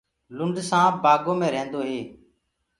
لُنڊ سآنپ بآگو مي رهيندو هي۔